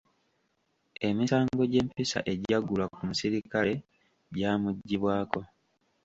Emisango gy'empisa egyaggulwa ku misirikale gyamuggyibwako.